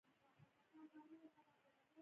مکان جوړېدنک دې ګټه لورن